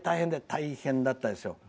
大変だったんですよ。